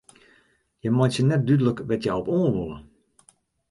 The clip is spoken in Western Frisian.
Hja meitsje net dúdlik wêr't hja op oan wolle.